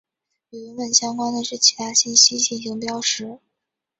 与文本相关的其他信息进行标识。